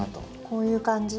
こういう感じ？